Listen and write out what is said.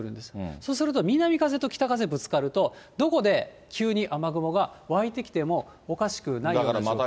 そうすると南風と北風ぶつかると、どこで急に雨雲が湧いてきてもおかしくないような状況。